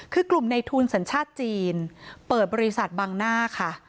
คือกลุ่มในทุนสัญชาติจีนเปิดบริษัทบังหน้าค่ะ